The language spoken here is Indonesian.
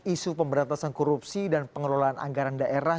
isu pemberantasan korupsi dan pengelolaan anggaran daerah